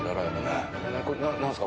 何すか？